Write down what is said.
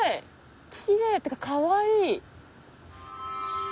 きれいっていうかかわいい！